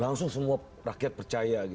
langsung semua rakyat percaya